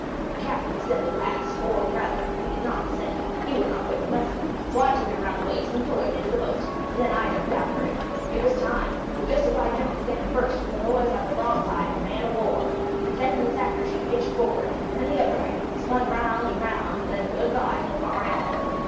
The captain descended last, or rather, he did not descend, he would not quit the vessel; so I took him round the waist, and threw him into the boat, and then I jumped after him. It was time, for just as I jumped the deck burst with a noise like the broadside of a man of war. Ten minutes after she pitched forward, then the other way, spun round and round, and then good bye to the Pharaon.